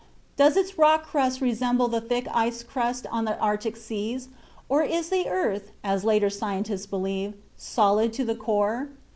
Does its rock crust resemble the thick ice crust on the Arctic Seas, or is the earth, as later scientists believe, solid to the core?